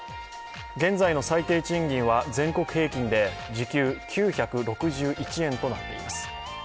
現在の最低賃金は全国平均で時給９６１円となっています。